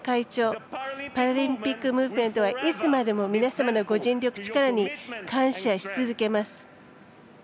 東京パラリンピックムーブメントはいつまでも、皆さんに感謝し続けます。